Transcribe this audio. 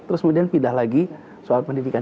terus kemudian pindah lagi soal pendidikan